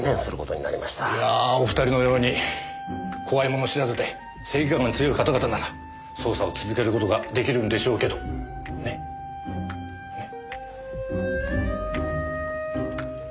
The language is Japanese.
いやぁお二人のように怖いもの知らずで正義感が強い方々なら捜査を続ける事ができるんでしょうけどね。ね？